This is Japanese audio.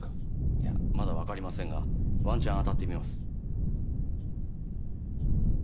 いやまだわかりませんがワンチャンあたってみます。